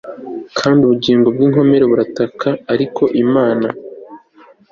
Kandi ubugingo bw inkomere burataka Ariko Imana